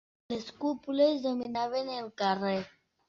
Les cúpules dominaven el carrer